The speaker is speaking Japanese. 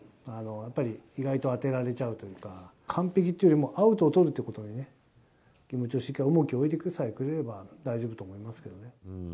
やっぱり、意外と当てられちゃうというか、完璧っていうよりも、アウトを取るということがね、気持ちをしっかり重きを置いてくれさえすれば大丈夫だと思います